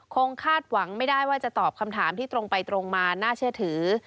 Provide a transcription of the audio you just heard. คาดหวังไม่ได้ว่าจะตอบคำถามที่ตรงไปตรงมาน่าเชื่อถือ